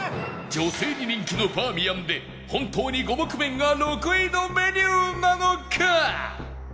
女性に人気のバーミヤンで本当に五目麺が６位のメニューなのか？